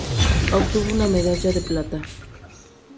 Obtuvo una medalla de plata.